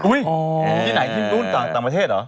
ที่ไหนที่นู่นต่างประเทศเหรอ